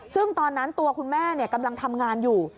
ซึ่งตอนนั้นตัวคุณแม่กำลังทำงานอยู่